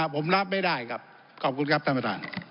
ผมรับไม่ได้ครับขอบคุณครับท่านประธาน